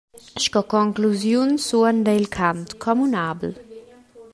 Sco conclusiun suonda il cant communabel.